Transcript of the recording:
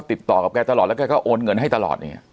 ติดต่อกับแกตลอดแล้วแกก็โอนเงินให้ตลอดเนี่ย